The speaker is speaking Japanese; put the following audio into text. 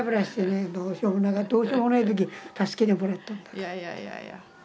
いやいやいやいや。